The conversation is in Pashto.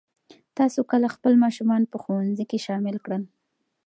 تاسو کله خپل ماشومان په ښوونځي کې شامل کړل؟